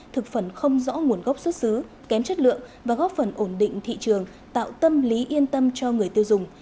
thực phẩm không rõ nguồn gốc xuất xứ kém chất lượng và góp phần ổn định thị trường tạo tâm lý yên tâm cho người tiêu dùng